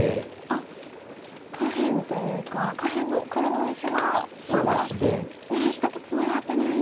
下辺というか下辺の黒の大石がまだ右下とツナがってない。